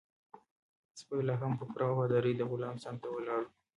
سپی لا هم په پوره وفادارۍ د غلام څنګ ته ولاړ و.